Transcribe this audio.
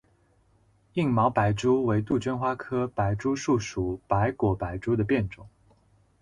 硬毛白珠为杜鹃花科白珠树属白果白珠的变种。